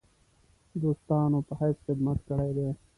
دوستانو په حیث خدمت کړی دی.